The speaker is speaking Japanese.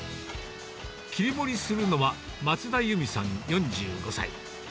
切り盛りするのは、松田裕美さん４５歳。